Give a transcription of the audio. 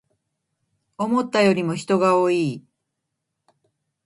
思ったよりも人が多い